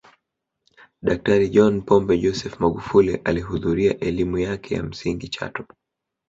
Daktari John Pombe Joseph Magufuli alihudhuria elimu yake ya msingi chato